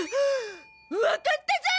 わかったゾ！